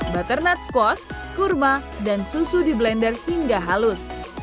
butternut squash kurma dan susu di blender hingga halus